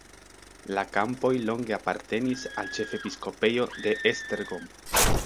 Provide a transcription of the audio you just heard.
La kampoj longe apartenis al ĉefepiskopejo de Esztergom.